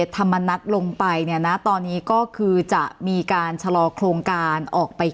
ทำณรักลงไปเนี้ยน่ะตอนนี้ก็คือจะมีการเฉลากลงการออกไป